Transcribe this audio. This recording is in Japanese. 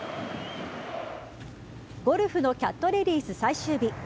ゴルフのＣＡＴレディース最終日。